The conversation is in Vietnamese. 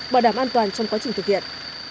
bảo đảm an toàn trong quá trình thực hiện